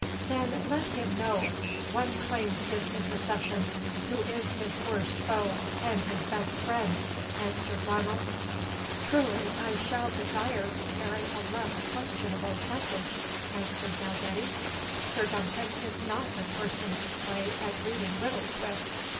"Then let him know, one claims his intercession, who is his worst foe and his best friend," answered Ranald. "Truly I shall desire to carry a less questionable message," answered Dalgetty, "Sir Duncan is not a person to play at reading riddles with."